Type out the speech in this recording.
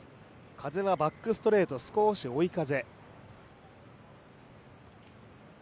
風はバックストレート少し追い風。